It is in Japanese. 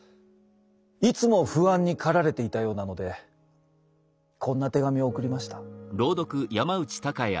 いつも不安に駆られていたようなのでこんな手紙を送りました。